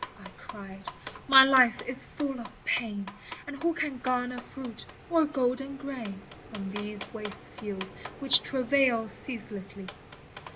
I cried, " my life is full of pain, And who can garner fruit or golden grain, From these waste fields which travail ceaselessly